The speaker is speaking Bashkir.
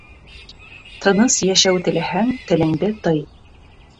Тыныс йәшәү теләһәң, телеңде тый